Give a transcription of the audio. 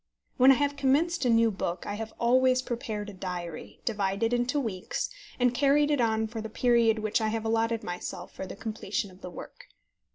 When I have commenced a new book, I have always prepared a diary, divided into weeks, and carried it on for the period which I have allowed myself for the completion of the work.